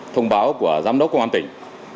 thông báo của giám đốc công an tỉnh